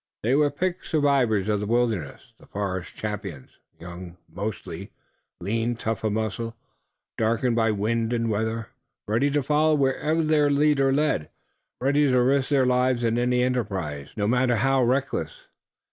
They were the picked survivors of the wilderness, the forest champions, young mostly, lean, tough of muscle, darkened by wind and weather, ready to follow wherever their leader led, ready to risk their lives in any enterprise, no matter how reckless.